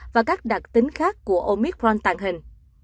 và các đặc tính khác của omicron tàng hình